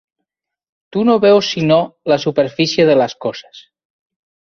Tu no veus sinó la superfície de les coses.